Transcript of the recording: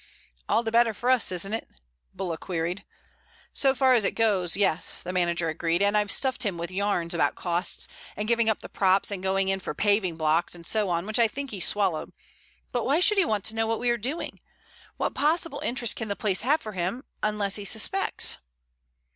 "All the better for us, isn't it?" Bulla queried. "So far as it goes, yes," the manager agreed, "and I've stuffed him with yarns about costs and about giving up the props and going in for paving blocks and so on which I think he swallowed. But why should he want to know what we are doing? What possible interest can the place have for him—unless he suspects?"